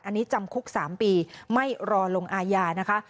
อันนี้จำคุก๓ปีไม่รอลงอาญานะคะ